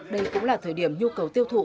đây cũng là thời điểm nhu cầu tiêu thụ